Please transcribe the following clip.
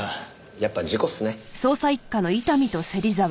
やっぱ事故っすね。